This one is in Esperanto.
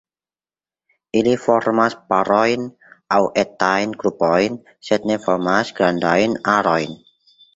Ili formas parojn aŭ etajn grupojn, sed ne formas grandajn arojn.